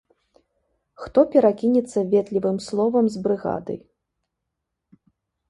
Хто перакінецца ветлівым словам з брыгадай.